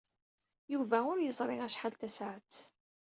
Yuba ur yeẓri acḥal tasaɛet.